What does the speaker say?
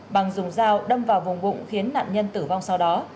bằng dùng dao đâm vào vùng bụng khiến nạn nhân tử vong sau đó